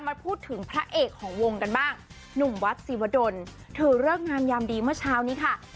มาพูดถึงพระเอกของวงกันบ้างหนุ่มวัดสิวดลเธอเลิกงามยามดีเมื่อเช้านี้ค่ะ